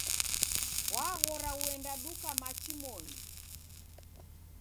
Waghora uenda duka machi moni